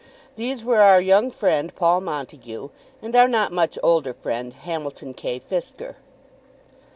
These were our young friend Paul Montague, and our not much older friend Hamilton K. Fisker.